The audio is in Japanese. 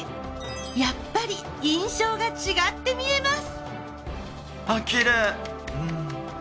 やっぱり印象が違って見えます。